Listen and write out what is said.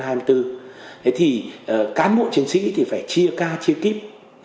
thế thì cán bộ chiến sĩ thì phải chia ca chia kíp